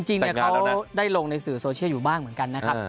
จริงเราได้ลงในสื่อโซเชียลอยู่บ้างเหมือนกันนะครับ